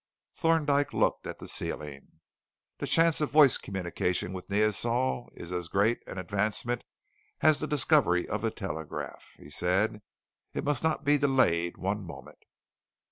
Thorndyke looked at the ceiling. "The chance of voice communication with Neosol is as great an advancement as the discovery of the telegraph," he said. "It must not be delayed one moment!"